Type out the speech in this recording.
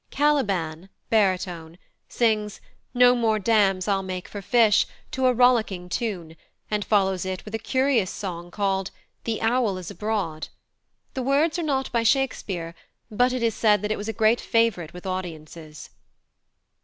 Caliban (baritone) sings "No more dams I'll make for fish" to a rollicking tune, and follows it with a curious song called "The owl is abroad." The words are not by Shakespeare, but it is said that it was a great favourite with audiences.